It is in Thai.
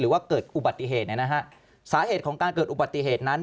ว่าเกิดอุบัติเหตุเนี่ยนะฮะสาเหตุของการเกิดอุบัติเหตุนั้น